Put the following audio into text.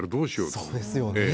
そうですよね。